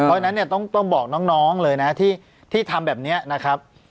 เพราะฉะนั้นเนี้ยต้องต้องบอกน้องน้องเลยน่ะที่ที่ทำแบบเนี้ยนะครับ